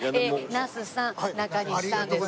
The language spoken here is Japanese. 那須さん中西さんです。